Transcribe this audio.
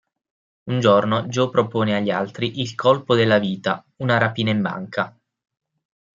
Un giorno Joe propone agli altri il colpo della vita: una rapina in banca.